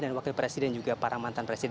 dan wakil presiden juga para mantan presiden